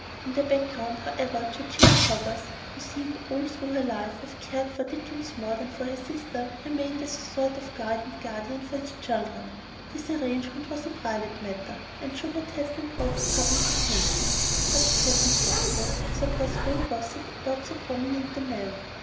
In the background, however, Georgina Hogarth, who seemed all through her life to have cared for Dickens more than for her sister, remained as a sort of guide and guardian for his children. This arrangement was a private matter, and should not have been brought to public attention; but it was impossible to suppress all gossip about so prominent a man.